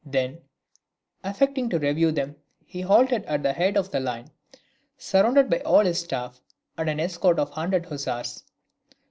Then, affecting to review them, he halted at the head of the line, surrounded by all his staff, and an escort of a hundred hussars.